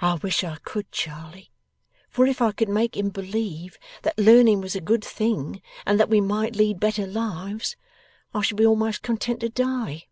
'I wish I could, Charley! For if I could make him believe that learning was a good thing, and that we might lead better lives, I should be a'most content to die.